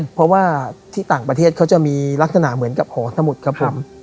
เพราะว่าที่ต่างประเทศเขาจะมีลักษณะเหมือนกับหอสมุทรครับผม